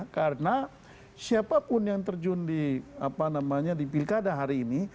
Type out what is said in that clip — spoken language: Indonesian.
karena siapapun yang terjun di apa namanya di pilkada hari ini